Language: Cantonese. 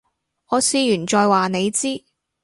我試完再話你知